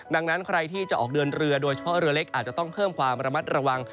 ดังนั้นใครที่จะออกเดินเรือโดยเฉพาะเรือเล็กอาจจะต้องเพิ่มความระมัดระวัง